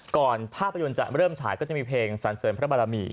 ภาพยนตร์จะเริ่มฉายก็จะมีเพลงสันเสริมพระบารมี